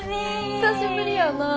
久しぶりやなぁ。